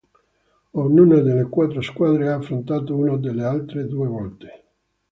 Ognuna delle quattro squadre ha affrontato una delle altre due volte.